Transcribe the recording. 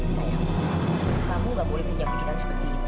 sayang kamu gak boleh punya pikiran seperti itu